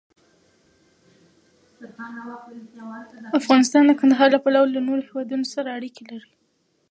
افغانستان د کندهار له پلوه له نورو هېوادونو سره اړیکې لري.